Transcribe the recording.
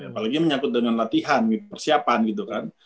apalagi yang menyakitkan dengan latihan persiapan gitu kan